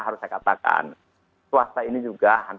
harus saya katakan